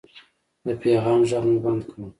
د پیغام غږ مې بند کړ.